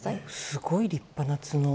すごい立派な角。